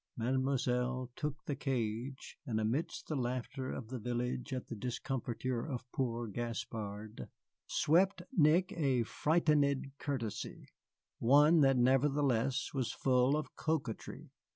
Mademoiselle took the cage, and amidst the laughter of the village at the discomfiture of poor Gaspard, swept Nick a frightened courtesy, one that nevertheless was full of coquetry.